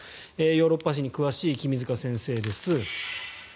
ヨーロッパ史に詳しい君塚先生です。